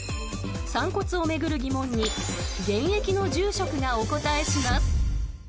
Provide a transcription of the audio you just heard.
散骨を巡る疑問に現役の住職がお答えします。